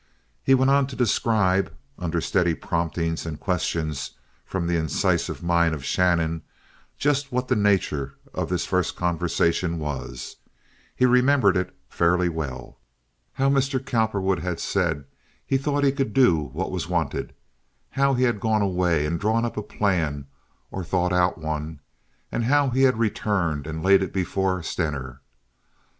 He went on to describe, under steady promptings and questions from the incisive mind of Shannon, just what the nature of this first conversation was—he remembered it fairly well; how Mr. Cowperwood had said he thought he could do what was wanted; how he had gone away and drawn up a plan or thought one out; and how he had returned and laid it before Stener.